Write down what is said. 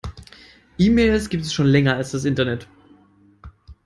E-Mails gibt es schon länger als das Internet.